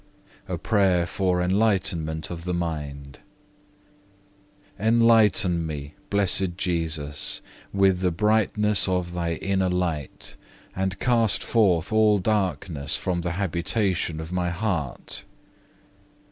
A PRAYER FOR ENLIGHTENMENT OF THE MIND 8. Enlighten me, Blessed Jesus, with the brightness of Thy inner light, and cast forth all darkness from the habitation of my heart.